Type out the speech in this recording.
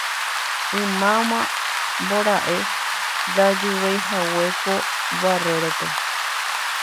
ymáma mbora'e ndajuveihague ko Barrerope